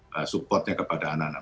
dan support nya kepada anak anak